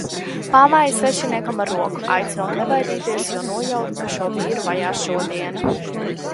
Pamāju svešiniekam ar roku, aicinot nebaidīties, jo nojautu, ka šo vīru vajā šodiena.